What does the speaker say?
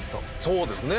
そうですね。